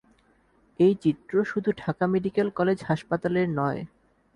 এই চিত্র শুধু ঢাকা মেডিকেল কলেজ হাসপাতালের নয়।